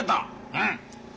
うん！